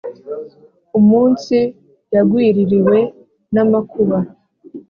umunsi yagwiririwe n’amakuba!